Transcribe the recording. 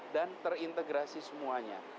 dan terintegrasi semuanya